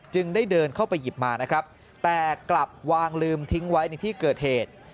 ได้เดินเข้าไปหยิบมานะครับแต่กลับวางลืมทิ้งไว้ในที่เกิดเหตุ